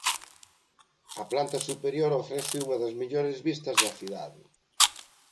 A planta superior ofrece unha das mellores vistas da cidade.